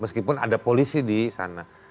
meskipun ada polisi di sana